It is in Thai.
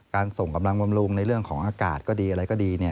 ส่งกำลังบำรุงในเรื่องของอากาศก็ดีอะไรก็ดี